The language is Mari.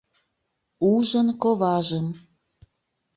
Ужын коважым...